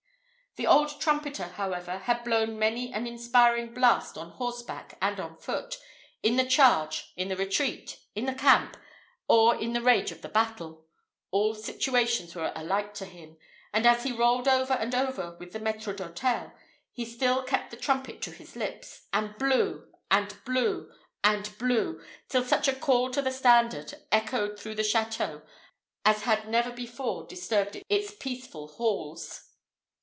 The old trumpeter, however, had blown many an inspiring blast on horseback and on foot, in the charge, in the retreat, in the camp, or in the rage of the battle; all situations were alike to him, and as he rolled over and over with the maître d'hôtel, he still kept the trumpet to his lips, and blew, and blew, and blew, till such a call to the standard echoed through the château as had never before disturbed its peaceful halls.